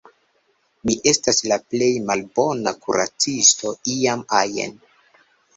Mi estas la plej malbona kuracisto iam ajn